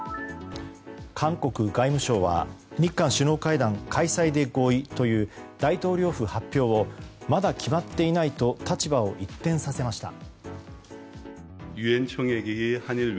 韓国外務省は日韓首脳会談開催で合意という大統領府発表をまだ決まっていないと立場を一転させました。